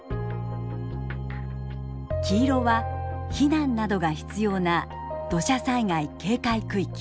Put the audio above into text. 黄色は避難などが必要な土砂災害警戒区域。